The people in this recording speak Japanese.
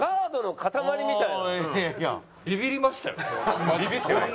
ビビりましたよ。